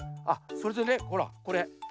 あっそれでねほらこれ。